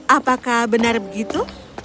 apakah benar begitu